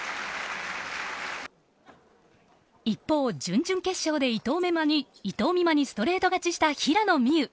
一方、準々決勝で伊藤美誠にストレート勝ちした平野美宇。